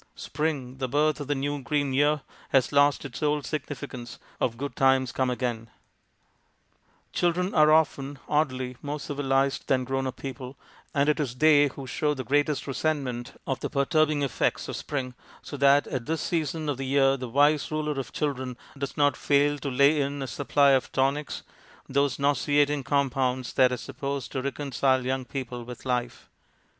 Spring, the birth of the new green year, has lost its old significance of good times come again. 200 MONOLOGUES Children are often, oddly, more civilized than grown up people, and it is they who show the greatest resentment of the perturb ing effects of spring, so that at this season of the year the wise ruler of children does not fail to lay in a supply of tonics, those nauseating compounds that are supposed to reconcile young people with life.